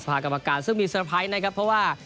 สภากรรมการที่มีสะพาลพันธุ์นะครับเพราะว่า